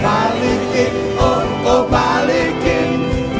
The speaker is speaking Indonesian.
balikin oh oh balikin